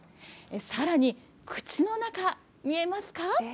さらに、口の中、見えますか？